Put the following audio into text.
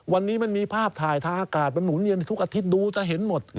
วันนี้มันมีภาพถ่ายทางอากาศมันหุ่นเวียนในทุกอาทิตย์ดูจะเห็นหมด